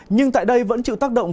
nhưng tại đây vẫn chịu tác động